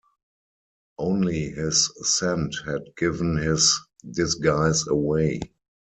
Only his scent had given his disguise away.